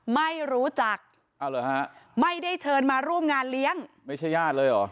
ไม่รู้จักไม่ได้เชิญมาร่วมงานเลี้ยงไม่ใช่ญาติเลยเหรอ